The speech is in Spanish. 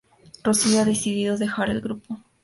Rocío ha decidido dejar el grupo.